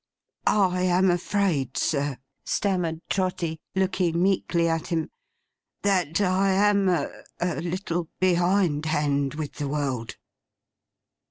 'I am afraid, sir,' stammered Trotty, looking meekly at him, 'that I am a—a—little behind hand with the world.